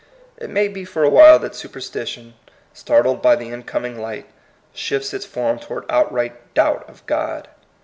It may be for a while that superstition, startled by the incoming light, shifts its form toward outright doubt of God.